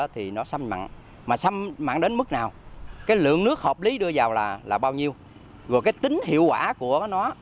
thì nó xâm mặn mà xâm mặn đến mức nào cái lượng nước hợp lý đưa vào là bao nhiêu rồi cái tính hiệu quả của nó